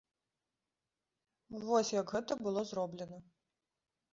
Вось як гэта было зроблена.